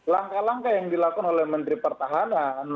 langkah langkah yang dilakukan oleh menteri pertahanan